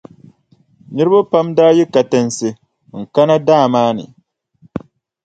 Niriba pam daa yi katinsi n-kana daa maa ni,